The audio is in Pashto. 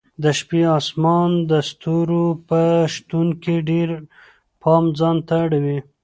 د شپې اسمان د ستورو په شتون کې ډېر پام ځانته اړوي.